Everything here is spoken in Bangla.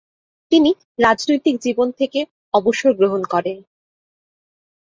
তিনি রাজনৈতিক জীবন থেকে অবসর গ্রহণ করেন।